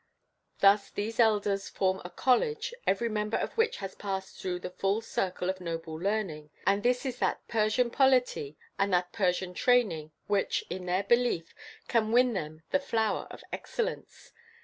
Thus these elders form a college, every member of which has passed through the full circle of noble learning; and this is that Persian polity and that Persian training which, in their belief, can win them the flower of excellence.